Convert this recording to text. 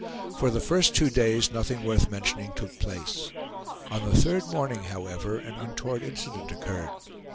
For the first two days nothing worth mentioning took place. On the third morning, however, an untoward incident occurred.